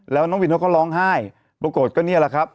แล้วน้องวินเขาก็ร้องไห้ปรากฏก็นี่แหละครับ